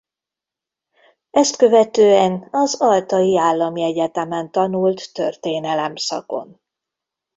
Ezt követően az Altaji Állami Egyetemen tanult történelem szakon.